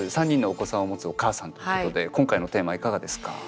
３人のお子さんを持つお母さんということで今回のテーマいかがですか？